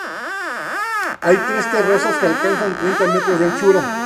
Hay tres terrazas que alcanzan treinta metros de anchura.